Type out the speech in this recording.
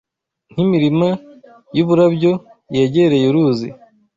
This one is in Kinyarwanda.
Nk’imirima y’uburabyo yegereye uruzi